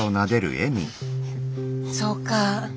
そうか。